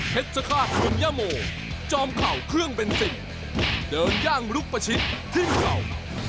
มวยร้อยเชิง๘ริ้ว